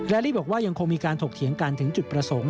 และลี่บอกว่ายังคงมีการถกเถียงกันถึงจุดประสงค์